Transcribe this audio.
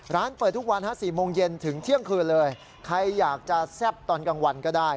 ร้านเปิดทุกวันฮะ๔โมงเย็นถึงเที่ยงคืนเลยใครอยากจะแซ่บตอนกลางวันก็ได้